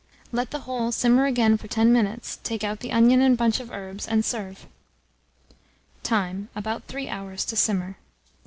Let the whole simmer again for 10 minutes; take out the onion and bunch of herbs, and serve. Time. About 3 hours to simmer.